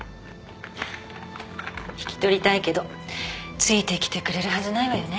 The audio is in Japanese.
引き取りたいけどついてきてくれるはずないわよね。